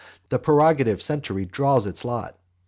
The prerogative century draws its lot.